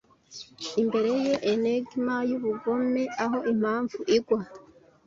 imbere ya enigma yubugome aho impamvu igwa